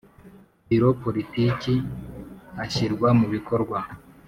Biro Politiki ashyirwa mu bikorwa